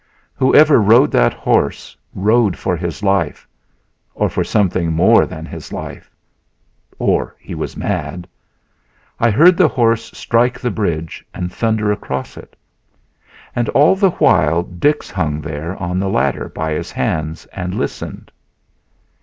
Whoever rode that horse rode for his life or for something more than his life, or he was mad. I heard the horse strike the bridge and thunder across it. And all the while Dix hung there on the ladder by his hands and listened.